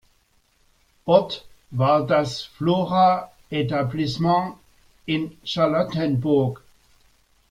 Ort war das „Flora-Etablissement“ in Charlottenburg.